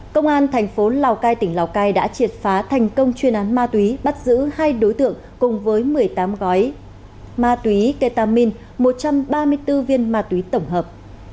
công an thành phố lào cai tỉnh lào cai đã triệt phá thành công chuyên án ma túy bắt giữ hai đối tượng cùng với một mươi tám gói ma túy ketamin một trăm ba mươi bốn viên ma túy tổng hợp